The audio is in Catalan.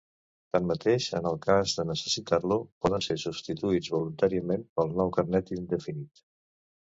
Tanmateix, en el cas de necessitar-lo poden ser substituïts voluntàriament pel nou carnet indefinit.